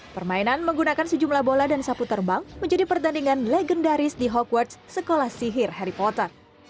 permainan menggunakan sejumlah bola dan sapu terbang menjadi pertandingan legendaris di hogwarts sekolah sihir harry potter